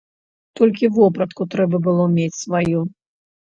Толькі вопратку трэба было мець сваю.